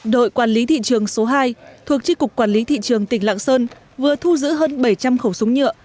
đội quản lý thị trường số hai thuộc tri cục quản lý thị trường tỉnh lạng sơn vừa thu giữ hơn bảy trăm linh khẩu súng nhựa